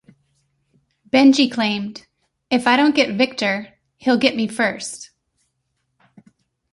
Benji claimed "If I don't get Victor he'll get me first".